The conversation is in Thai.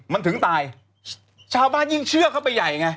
มันถึงตายชาวบ้านยิ่งเชื่อเข้าไปใหญ่ไง